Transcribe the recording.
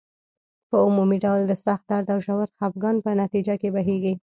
په عمومي ډول د سخت درد او ژور خپګان په نتیجه کې بهیږي.